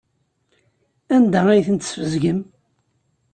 Anda ay tent-tesbezgem?